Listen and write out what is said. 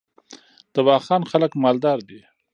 د واخان خلک مالدار دي